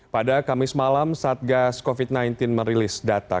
pada kamis malam satgas covid sembilan belas merilis data